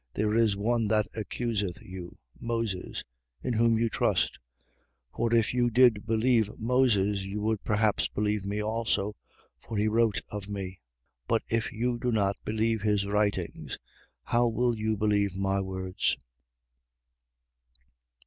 There is one that accuseth you, Moses, in whom you trust. 5:46. For if you did believe Moses, you would perhaps believe me also: for he wrote of me. 5:47. But if you do not believe his writings, how will you believe my words?